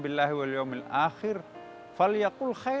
apalagi itu kalau menyangkut masalah fitnah